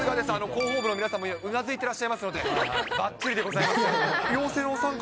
広報部の皆さんもうなずいてらっしゃいますので、ばっちりでございます。